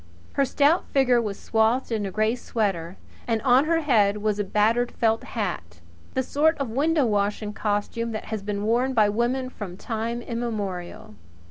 Her stout figure was swathed in a grey sweater and on her head was a battered felt hat the sort of window washing costume that has been worn by women from time immemorial.